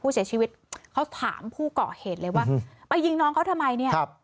ผู้เสียชีวิตเขาถามผู้เกาะเหตุเลยว่าไปยิงน้องเขาทำไมเนี่ย